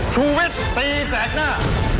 ชูเว็ตตีแสงหน้า